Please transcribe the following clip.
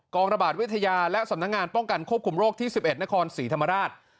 ระบาดวิทยาและสำนักงานป้องกันควบคุมโรคที่๑๑นครศรีธรรมราช